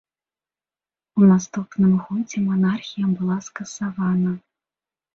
У наступным годзе манархія была скасавана.